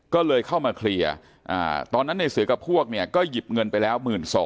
ก็เลยเข้ามาเคลียร์ตอนนั้นในเสือกับพวกเนี่ยก็หยิบเงินไปแล้ว๑๒๐๐